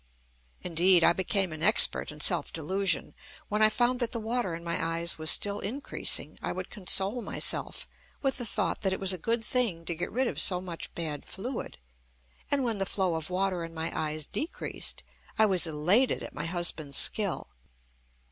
Indeed I became an expert in self delusion. When I found that the water in my eyes was still increasing, I would console myself with the thought that it was a good thing to get rid of so much bad fluid; and, when the flow of water in my eyes decreased, I was elated at my husband's skill.